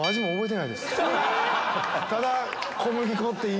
ただ。